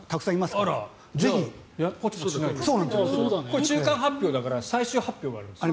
これ、中間発表だから最終発表があるんですよ。